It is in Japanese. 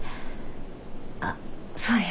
あっそうや。